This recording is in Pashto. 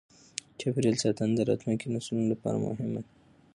چاپیریال ساتنه د راتلونکې نسلونو لپاره مهمه ده.